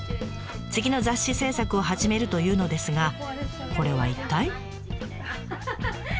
次の雑誌制作を始めるというのですがこれは一体？